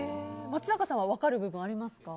松坂さんは分かる部分ありますか？